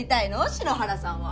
篠原さんは。